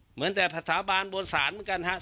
เหมือนพระสาบานบนศาล